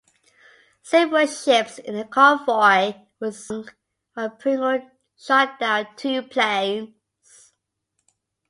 Several ships in the convoy were sunk, while "Pringle" shot down two planes.